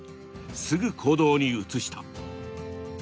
すぐ行動に移した。